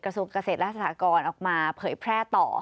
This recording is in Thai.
กระทรวงเกษตรและอัศทากรออกมาเพยยแพร่ต่อ